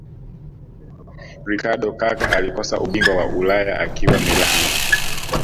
ricardo kaka alikosa ubingwa wa ulaya akiwa Milan